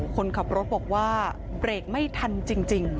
คนขับรถบอกว่าเบรกไม่ทันจริง